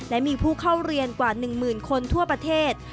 และมีผู้เข้าเรียนกว่า๑หมื่นคนทั่วประเทศ